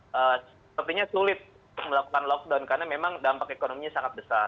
sepertinya sulit melakukan lockdown karena memang dampak ekonominya sangat besar